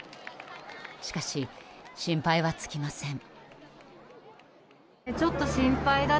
しかし、心配は尽きません。